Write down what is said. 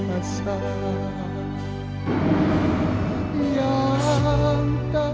ya allah yang kuanggu